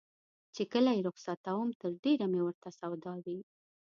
چې کله یې رخصتوم تر ډېره مې ورته سودا وي.